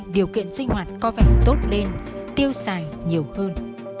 điều kiện sinh hoạt có vẻ tốt lên tiêu xài nhiều hơn